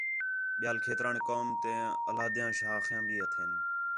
ٻیال کھیتران قوم تے علیحدہ شاخیاں بھی ہتھین